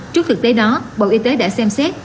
trước thực tế đó bộ y tế đã xem xét